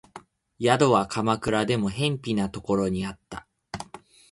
宿は鎌倉でも辺鄙なところにあった